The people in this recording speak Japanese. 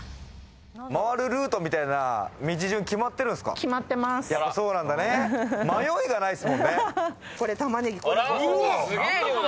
回るルートみたいな道順は決決まっています。